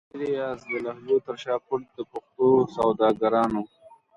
چيري یاست د لهجو تر شا پټ د پښتو سوداګرانو؟